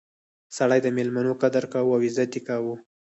سړی د میلمنو قدر کاوه او عزت یې کاوه.